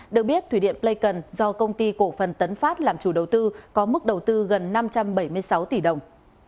được biết thủy điện pleikon do công ty cổ phần tấn pháp làm chủ đầu tư có mức đầu tư gần năm trăm bảy mươi sáu tỷ đồng